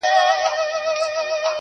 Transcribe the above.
د ځان سره د چا يادونه بۀ دې نۀ راوستۀ